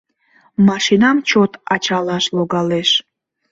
Машинам чот ачалаш логалеш.